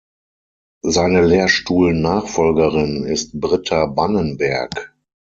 Seine Lehrstuhl-Nachfolgerin ist Britta Bannenberg.